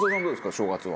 正月は。